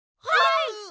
はい！